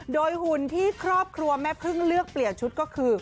โดยหุ่นที่ครอบครัวแม่พึ่งเลือกเปลี่ยนชุดก็คือ